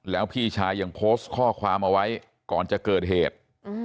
แล้วพี่ชายยังโพสต์ข้อความเอาไว้ก่อนจะเกิดเหตุ